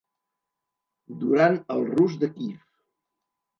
Durant el Rus de Kíev.